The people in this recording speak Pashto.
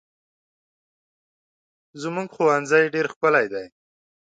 زموږ ښوونځی ډېر ښکلی دی.